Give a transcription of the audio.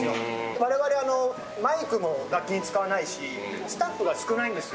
我々、マイクも楽器に使わないしスタッフが少ないんです。